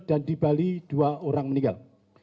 dan di bali dua orang meninggal